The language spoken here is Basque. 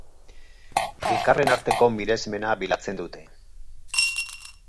Elkarren arteko miresmena bilatzen dute.